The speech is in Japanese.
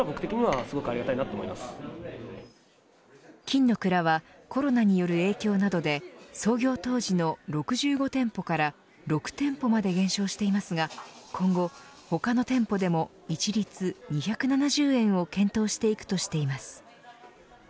金の蔵はコロナによる影響などで創業当時の６５店舗から６店舗まで減少していますが今後、他の店舗でも一律２７０円を検討していくとしています。